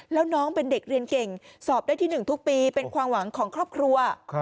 แล้วน้องเป็นเด็กเรียนเก่งสอบได้ที่๑ทุกปีเป็นความหวังของครอบครัว